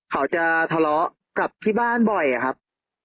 เขาจะทะเลาะกับที่บ้านบ่อยครับ